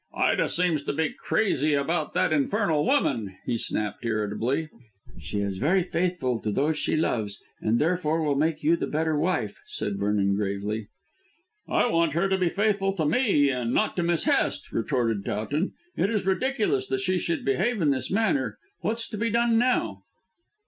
"Ida seems to be crazy about that infernal woman," he snapped irritably. "She is very faithful to those she loves and therefore will make you the better wife," said Vernon gravely. "I want her to be faithful to me and not to Miss Hest," retorted Towton. "It is ridiculous that she should behave in this manner. What's to be done now?"